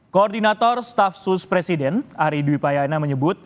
koordinator stafsus presiden aridwi payana menyebut